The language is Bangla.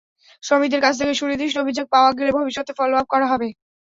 শ্রমিকদের কাছ থেকে সুনির্দিষ্ট অভিযোগ পাওয়া গেলে ভবিষ্যতে ফলোআপ করা হবে।